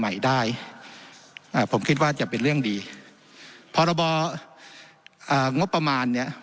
ใหม่ได้อ่าผมคิดว่าจะเป็นเรื่องดีพรบอ่างบประมาณเนี้ย